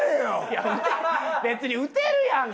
いや別に打てるやんか。